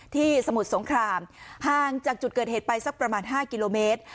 สมุทรสงครามห่างจากจุดเกิดเหตุไปสักประมาณ๕กิโลเมตร